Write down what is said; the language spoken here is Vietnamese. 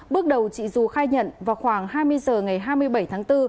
bước đầu chị du khai nhận vào khoảng hai mươi h ngày hai mươi bảy tháng bốn